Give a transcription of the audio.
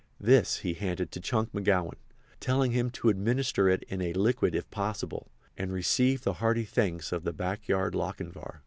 This he handed to Chunk McGowan, telling him to administer it in a liquid if possible, and received the hearty thanks of the backyard Lochinvar.